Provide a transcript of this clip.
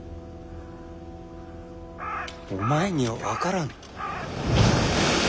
お前には分からぬ。